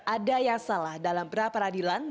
ada yang salah dalam peraparadilan